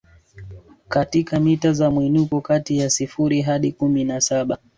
katika mita za mwinuko kati ya sifuri hadi kumi na saba